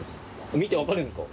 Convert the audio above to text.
見てわかるんですか？